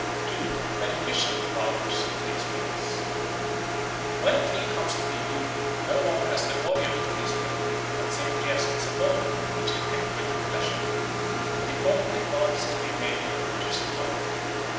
2. Beneficent Powers of Tree Spirits WHEN a tree comes to be viewed, no longer as the body of the tree spirit, but simply as its abode which it can quit at pleasure, an important advance has been made in religious thought.